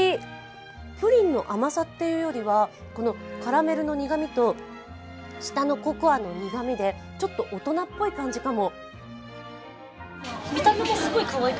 プリンの甘さっていうよりはカラメルの苦みと下のココアの苦みでちょっと大人っぽい感じかも。